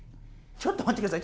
ちょっとまってください。